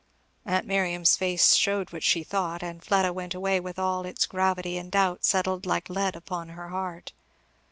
Aunt Miriam's face showed what she thought; and Fleda went away with all its gravity and doubt settled like lead upon her heart.